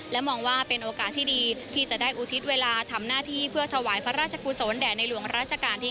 และมองว่าเป็นโอกาสที่ดีที่จะได้อุทิศเวลาทำหน้าที่เพื่อถวายพระราชกุศลแด่ในหลวงราชการที่๙